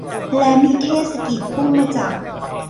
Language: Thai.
แล้วมีเทศกิจพุ่งมาจับ